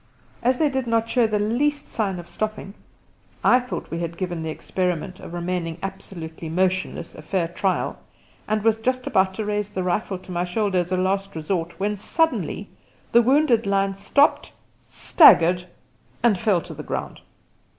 As they did not show the least sign of stopping, I thought we had given the experiment of remaining absolutely motionless a fair trial, and was just about to raise the rifle to my shoulder as a last resort, when suddenly the wounded lion stopped, staggered, and fell to the ground.